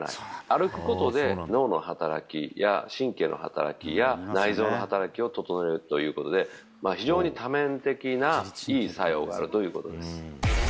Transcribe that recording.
歩くことで、脳の働きや神経の働きや内臓の働きを整えるということで、非常に多面的ないい作用があるということです。